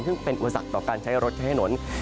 ซึ่งเป็นอุตสักต่อการใช้รถใช้ให้หนน